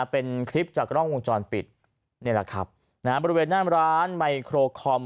เป็นคลิปจากกล้องวงจรปิดนี่แหละครับนะฮะบริเวณหน้ามร้านไมโครคอม